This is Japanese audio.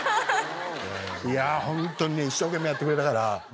いやホントにね一生懸命やってくれたから。